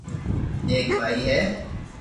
ايڪ ڀائي ھي